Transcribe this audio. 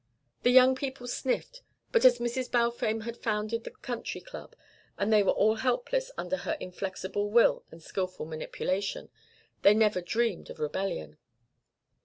The young people sniffed, but as Mrs. Balfame had founded the Country Club, and they were all helpless under her inflexible will and skilful manipulation, they never dreamed of rebellion.